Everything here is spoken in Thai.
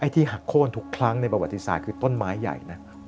ที่หักโค้นทุกครั้งในประวัติศาสตร์คือต้นไม้ใหญ่นะ